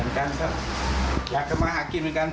เหมือนกันครับอยากทำมาหากินเหมือนกัน